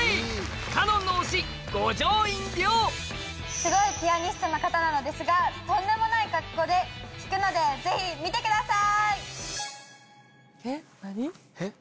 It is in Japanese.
すごいピアニストの方なのですがとんでもない格好で弾くのでぜひ見てください！